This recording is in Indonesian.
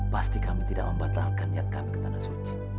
pasti kami tidak membatalkan niat kami ke tanah suci